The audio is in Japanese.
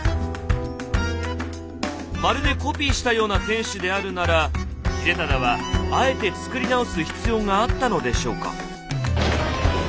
まるでコピーしたような天守であるなら秀忠はあえて造り直す必要があったのでしょうか？